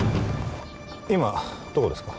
今どこですか？